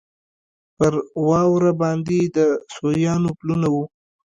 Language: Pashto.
پر واوره باندې د سویانو پلونه وو.